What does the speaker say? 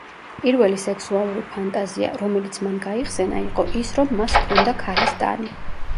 პირველი სექსუალური ფანტაზია, რომელიც მან გაიხსენა, იყო ის, რომ მას ჰქონდა ქალის ტანი.